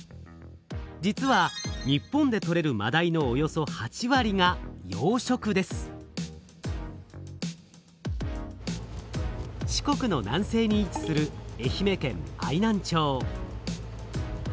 実は日本でとれるマダイのおよそ四国の南西に位置する愛媛県愛南町。